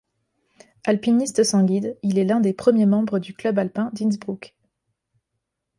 Alpiniste sans guide, il est l'un des premiers membres du Club alpin d'Innsbruck.